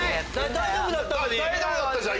大丈夫だったじゃん